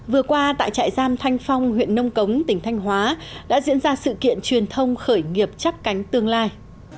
vừa qua tại trại giam thanh phong huyện nông cống tỉnh thanh hóa đã diễn ra sự kiện truyền thông khởi nghiệp chắp cánh tương lai